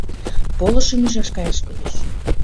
«Полышым ӱжаш каяш кӱлеш».